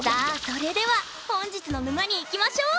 それでは本日の沼にいきましょう！